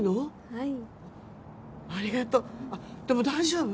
はいいありがとうあっでも大丈夫？